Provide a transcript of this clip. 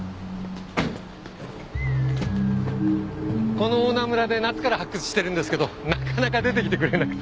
この大菜村で夏から発掘してるんですけどなかなか出てきてくれなくて。